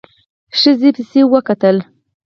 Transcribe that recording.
ښځې پسې وکتل.